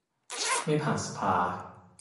ไม่ผ่านสภา